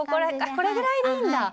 これぐらいでいいんだ。